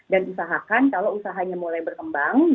dan usahakan kalau usahanya mulai berkembang